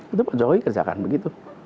itu pak jokowi kerjakan begitu